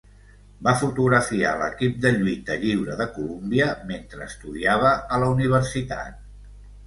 Va fotografiar l'equip de lluita lliure de Colúmbia mentre estudiava a la universitat.